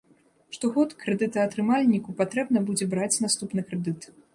Штогод крэдытаатрымальніку патрэбна будзе браць наступны крэдыт.